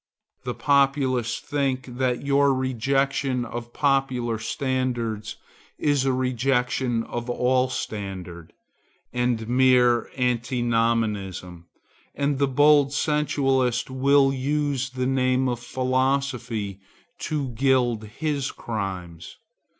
The populace think that your rejection of popular standards is a rejection of all standard, and mere antinomianism; and the bold sensualist will use the name of philosophy to gild his crimes.